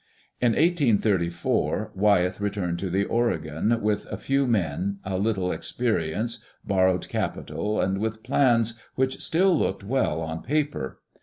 In 1834 Wyeth returned to the Oregon, with a few men, a little experience, borrowed capital, and with plans which still looked well on paper.